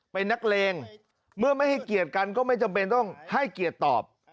เป็นนักเลงเมื่อไม่ให้เกียรติกันก็ไม่จำเป็นต้องให้เกียรติตอบ